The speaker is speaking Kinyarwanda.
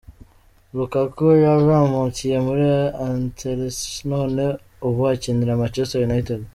Lukaku yazamukiye muri Anderlecht none ubu akinira Manchester United.